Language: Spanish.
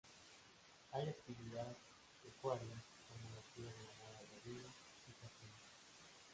Hay actividad pecuaria como la cría de ganado bovino y caprino.